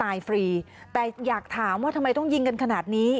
ฟรีแต่อยากถามว่าทำไมต้องยิงกันขนาดนี้